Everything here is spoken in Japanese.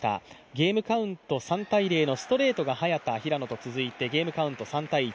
ゲームカウント３−０のストレートが早田、平野と続いてゲームカウント３−１。